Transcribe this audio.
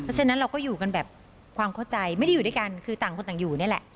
ฉะนั้นเราก็อยู่กันแบบความเข้าใจไม่ได้อยู่ด้วยกันคือต่างคนต่างอยู่นี่แหละ